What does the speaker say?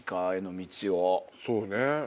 そうね。